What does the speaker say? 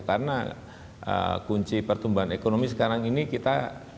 karena kunci pertumbuhan ekonomi sekarang ini kita